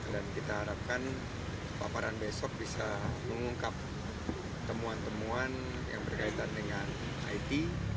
dan kita harapkan paparan besok bisa mengungkap temuan temuan yang berkaitan dengan it